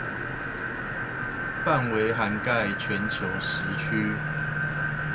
範圍涵蓋全球時區